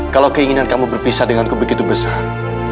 kalau keinginan kamu berpisah denganku begitu besar